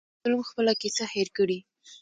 مظلوم خپله کیسه هېر کړي.